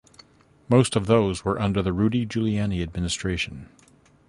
Most of those were under the Rudy Giuliani administration.